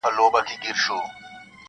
نن مي هغه زیارت په کاڼو ولم -